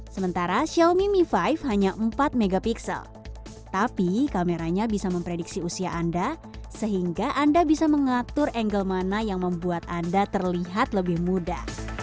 sementara xiaomi mi lima hanya empat mp tapi kameranya bisa memprediksi usia anda sehingga anda bisa mengatur angle mana yang membuat anda terlihat lebih muda